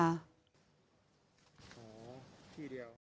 โหทีเดียว